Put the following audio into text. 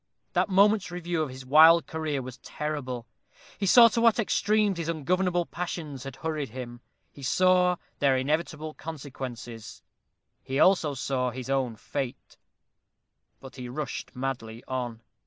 That moment's review of his wild career was terrible. He saw to what extremes his ungovernable passions had hurried him; he saw their inevitable consequences; he saw also his own fate; but he rushed madly on.